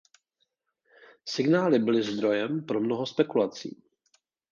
Signály byly zdrojem pro mnoho spekulací.